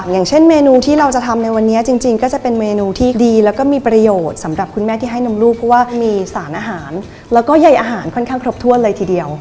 อย่างเช่นเมนูที่เราจะทำในวันนี้จริงก็จะเป็นเมนูที่ดีแล้วก็มีประโยชน์สำหรับคุณแม่ที่ให้นมลูกเพราะว่ามีสารอาหารแล้วก็ใยอาหารค่อนข้างครบถ้วนเลยทีเดียว